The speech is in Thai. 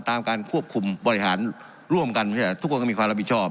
ตามการควบคุมบริหารร่วมกันใช่ไหมทุกคนก็มีความรับบิชอบ